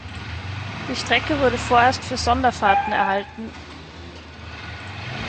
Die Strecke wurde vorerst für Sonderfahrten erhalten.